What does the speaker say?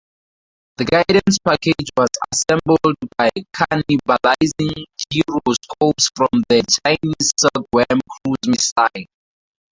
The guidance package was assembled by cannibalizing gyroscopes from the Chinese Silkworm cruise missile.